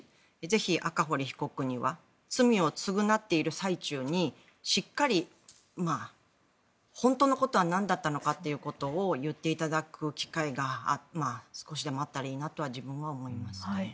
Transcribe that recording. ぜひ赤堀被告には罪を償っている最中にしっかり本当のことはなんだったのかということを言っていただく機会が少しでもあったらいいなとは自分は思いますね。